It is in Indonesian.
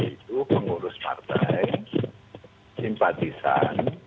itu pengurus partai simpatisan